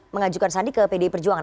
mengajukan sandi ke pdi perjuangan